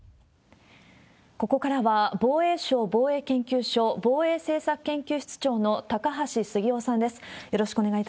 ここからは、防衛省防衛研究所防衛政策研究室長の高橋杉雄さんです。